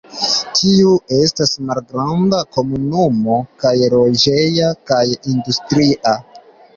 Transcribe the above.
Tiu estas malgranda komunumo kaj loĝeja kaj industria.